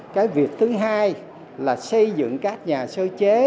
cái việc thứ hai là xây dựng các nhà sơ chế